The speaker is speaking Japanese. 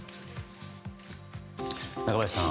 中林さん